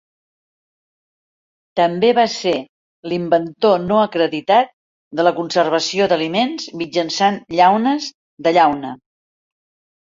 També va ser l'inventor no acreditat de la conservació d'aliments mitjançant llaunes de llauna.